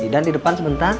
dan di depan sebentar iya